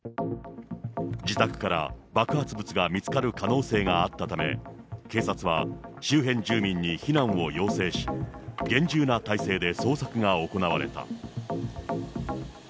自宅から爆発物が見つかる可能性があったため、警察は周辺住民に避難を要請し、厳重な態勢で捜索が行われた。